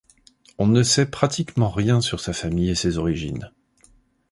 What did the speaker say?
On ne sait pratiquement rien sur sa famille et ses origines.